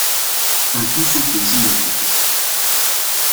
Dank u voor deze mogelijkheid.